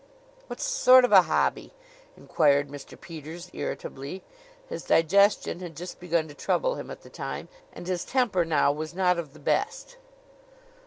"What sort of a hobby?" inquired Mr. Peters irritably. His digestion had just begun to trouble him at the time, and his temper now was not of the best.